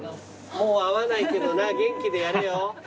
もう会わないけどな元気でやれよ。